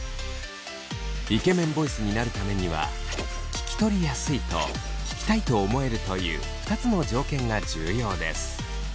イケメンボイスになるためには聞き取りやすいと聞きたいと思えるという２つの条件が重要です。